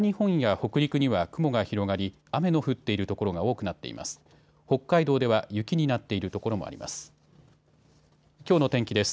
北海道では雪になっているところもあります。